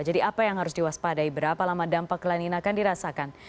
jadi apa yang harus diwaspadai berapa lama dampak lanina akan dirasakan